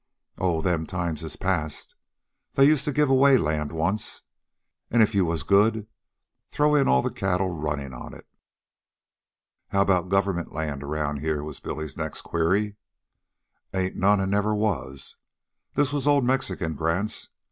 "Oh, them times is past. They used to give away land once, an' if you was good, throw in all the cattle runnin' on it." "How about government land around here?" was Billy'a next query. "Ain't none, an' never was. This was old Mexican grants.